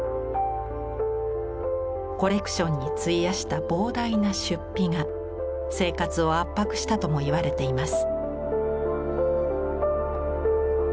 コレクションに費やした膨大な出費が生活を圧迫したともいわれています。